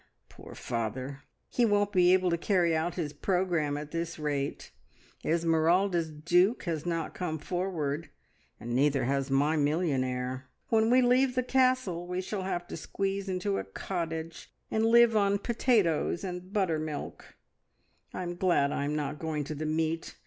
Poor father, he won't be able to carry out his programme at this rate. Esmeralda's duke has not come forward, and neither has my millionaire. When we leave the Castle we shall have to squeeze into a cottage, and live on potatoes and buttermilk. I am glad I am not going to the meet.